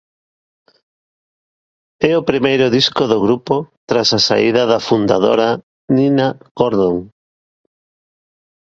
É o primeiro disco do grupo tras a saída da fundadora Nina Gordon.